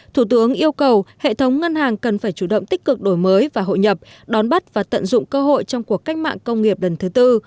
thủ tướng yêu cầu hệ thống ngân hàng cần phải chủ động tích cực đổi mới và hội nhập đón bắt và tận dụng cơ hội trong cuộc cách mạng công nghiệp lần thứ tư